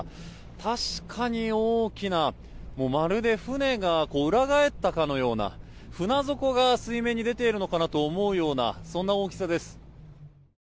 確かに大きな、まるで船が裏返ったのかような船底が水面に出ているかのようなそんな大きさです。